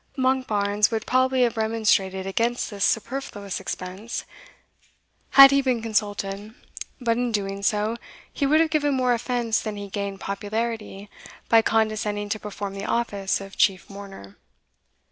Monkbarns would probably have remonstrated against this superfluous expense, had he been consulted; but, in doing so, he would have given more offence than he gained popularity by condescending to perform the office of chief mourner.